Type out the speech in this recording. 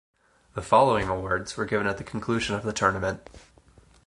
The following awards were given at the conclusion of the tournament.